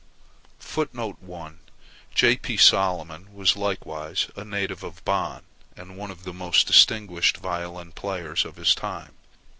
[Footnote 1: J.P. Salomon was likewise a native of Bonn, and one of the most distinguished violin players of his time.